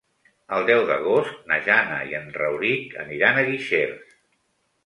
El deu d'agost na Jana i en Rauric aniran a Guixers.